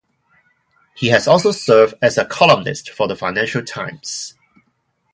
He has also served as a columnist for the Financial Times.